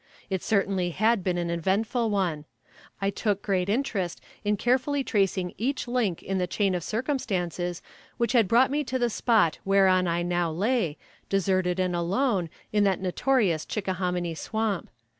It certainly had been an eventful one. I took great interest in carefully tracing each link in the chain of circumstances which had brought me to the spot whereon I now lay, deserted and alone, in that notorious Chickahominy swamp.